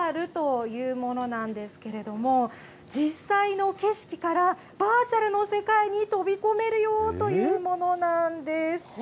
海鉄ＡＲというものなんですけれども、実際の景色からバーチャルの世界に飛び込めるよというものなんです。